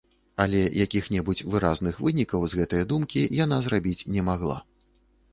Але якіх-небудзь выразных вынікаў з гэтае думкі яна зрабіць не магла.